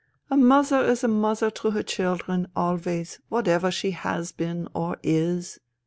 " A mother is a mother to her children, always, whatever she has been or is.